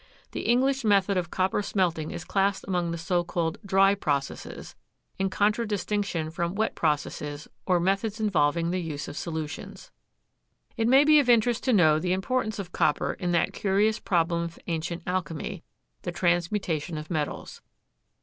The English method of copper smelting is classed among the so called "dry" processes, in contradistinction from "wet" processes, or methods involving the use of solutions. It may be of interest to know the importance of copper in that curious problem of ancient alchemy, the transmutation of metals.